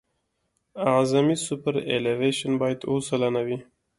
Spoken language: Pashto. اعظمي سوپرایلیویشن باید اوه سلنه وي